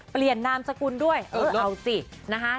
เปลี่ยนนามสกุลด้วยเออเอาสินะฮะ